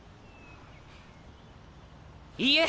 いいえ！